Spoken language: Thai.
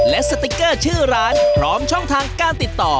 และสติ๊กเกอร์ชื่อร้านพร้อมช่องทางการติดต่อ